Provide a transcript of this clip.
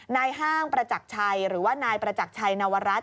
ห้างประจักรชัยหรือว่านายประจักรชัยนวรัฐ